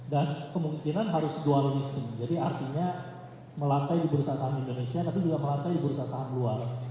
dan kemungkinan harus dual listing jadi artinya melantai di perusahaan indonesia tapi juga melantai di perusahaan luar